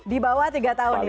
di bawah tiga tahun ya